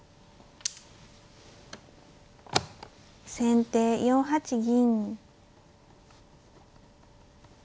先手４八銀。